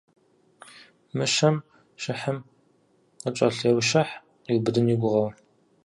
Мыщэм щыхьым къыкӀэлъейущыхь къиубыдын и гугъэу.